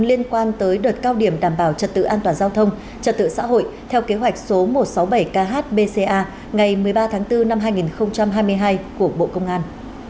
liên quan tới đợt cao điểm đảm bảo trật tự an toàn giao thông trật tự xã hội theo kế hoạch số một trăm sáu mươi bảy khbca ngày một mươi ba tháng bốn năm hai nghìn hai mươi hai của bộ công an